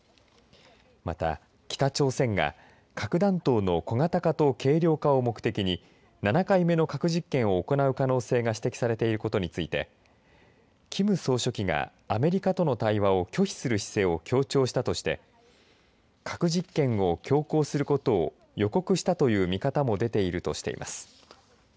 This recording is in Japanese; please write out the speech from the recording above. また、北朝鮮が核弾頭の小型化と軽量化を目的に７回目の核実験を行う可能性が指摘されていることについてキム総書記がアメリカとの対話を拒否する姿勢を強調したとして核実験を強行することを予告したという見方も出ているとしています。